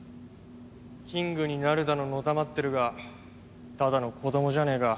キングになるだの宣ってるがただの子供じゃねえか。